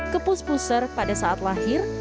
ke pus puser pada saat lahir